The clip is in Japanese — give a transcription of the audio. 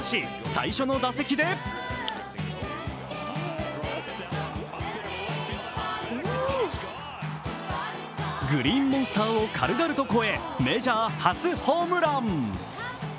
最初の打席でグリーンモンスターを軽々と越えメジャー初ホームラン。